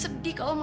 jadi sama mama